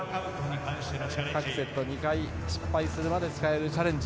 各セット２回失敗するまで使えるチャレンジ。